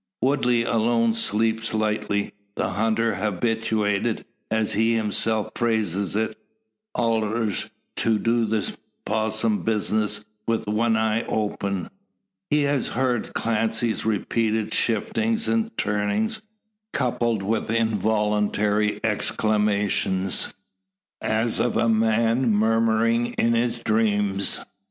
Woodley alone sleeps lightly; the hunter habituated, as he himself phrases it, "allers to do the possum bizness, wi' one eye open." He has heard Clancy's repeated shiftings and turnings, coupled with involuntary exclamations, as of a man murmuring in his dreams.